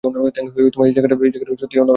Thanks, এই জায়গাটা সত্যিই অন্যরকম!